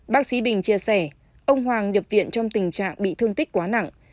bác sĩ bình chia sẻ ông hoàng nhập viện trong tình trạng bị thương tích quá nặng